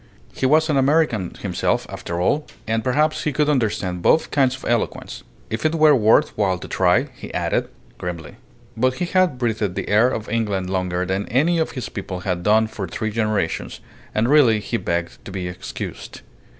He was an American himself, after all, and perhaps he could understand both kinds of eloquence "if it were worth while to try," he added, grimly. But he had breathed the air of England longer than any of his people had done for three generations, and really he begged to be excused.